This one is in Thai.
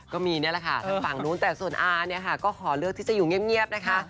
ก็มีนี่แหละค่ะแต่ส่วนอาร์เนี่ยค่ะก็ขอเลือกที่จะอยู่เงียบนะคะ